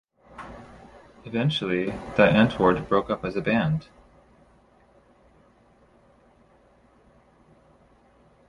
Eventually, Die Antwort broke up as a band.